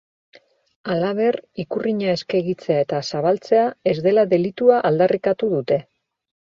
Halaber, ikurrina eskegitzea eta zabaltzea ez dela delitua aldarrikatu dute.